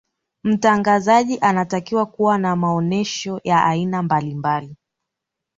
mtangazaji anatakiwa kuwa na maonesho ya aina mbalimbali